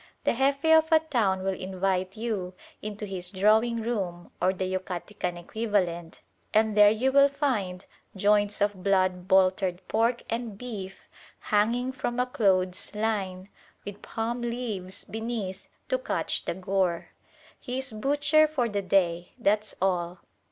The Jefe of a town will invite you into his drawing room or the Yucatecan equivalent, and there you will find joints of blood boltered pork and beef hanging from a clothes line, with palm leaves beneath to catch the gore. He is butcher for the day, that's all.